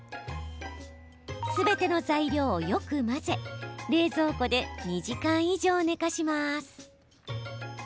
すべての材料をよく混ぜ冷蔵庫で２時間以上寝かします。